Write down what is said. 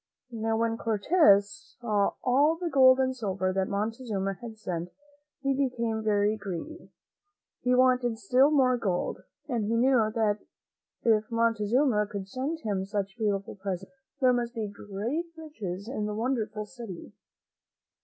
Now, when Cortez saw all the gold and silver that Montezuma had sent, he became very greedy. He wanted still more gold, and he knew that if Montezuma could send him such beautiful presents, there must be great riches in the won derful city.